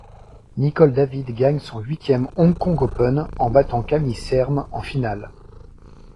Nicol David gagne son huitième Hong Kong Open, en battant Camille Serme en finale.